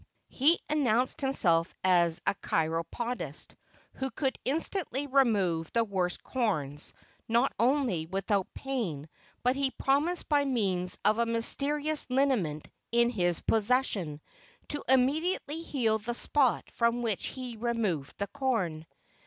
He announced himself as a chiropodist who could instantly remove the worst corns, not only without pain, but he promised by means of a mysterious liniment in his possession to immediately heal the spot from which he removed the corn.